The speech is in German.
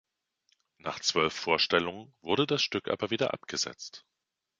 Nach zwölf Vorstellungen wurde das Stück aber wieder abgesetzt.